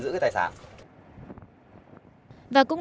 có địa chỉ tại số ba đồng